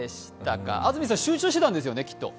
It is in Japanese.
安住さん、集中してたんですよね？